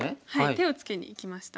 手をつけにいきました。